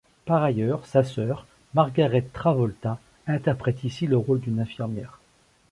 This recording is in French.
Par ailleurs, sa sœur, Margaret Travolta, interprète ici le rôle d'une infirmière.